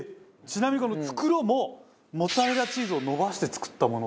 ちなみにこの袋もモッツァレラチーズを伸ばして作ったもの。